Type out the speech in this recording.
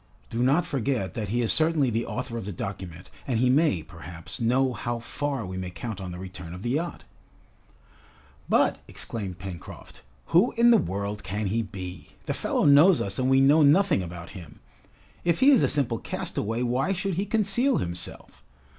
Do not forget that he is certainly the author of the document, and he may, perhaps, know how far we may count on the return of the yacht!" "But!" exclaimed Pencroft, "who in the world can he be? The fellow knows us and we know nothing about him! If he is a simple castaway, why should he conceal himself!